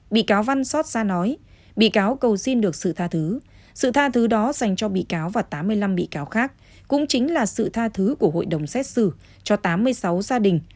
bị cáo văn xót xa nói bị cáo cầu xin được sự tha thứ sự tha thứ đó dành cho bị cáo và tám mươi năm bị cáo khác cũng chính là sự tha thứ của hội đồng xét xử cho tám mươi sáu gia đình